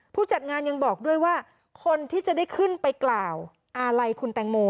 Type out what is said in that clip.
ผู้จัดงานยังบอกด้วยว่าคนที่จะได้ขึ้นไปกล่าวอาลัยคุณแตงโม